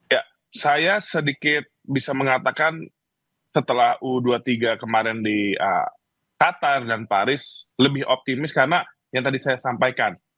ya saya sedikit bisa mengatakan setelah u dua puluh tiga kemarin di qatar dan paris lebih optimis karena yang tadi saya sampaikan